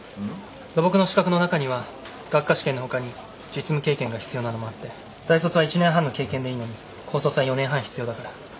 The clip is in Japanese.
土木の資格の中には学科試験のほかに実務経験が必要なのもあって大卒は１年半の経験でいいのに高卒は４年半必要だから。